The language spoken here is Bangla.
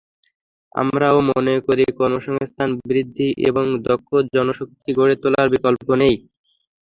আমরাও মনে করি কর্মসংস্থান বৃদ্ধি এবং দক্ষ জনশক্তি গড়ে তোলার বিকল্প নেই।